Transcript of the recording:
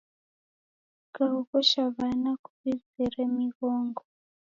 Kukaoghosha w'ana kuw'izire mighongo.